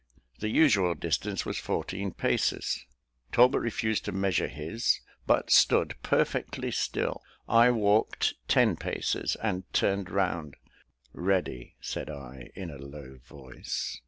The usual distance was fourteen paces. Talbot refused to measure his, but stood perfectly still. I walked ten paces, and turned round, "Ready," said I in a low voice.